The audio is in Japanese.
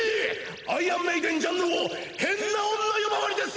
アイアンメイデン・ジャンヌを変な女呼ばわりです！！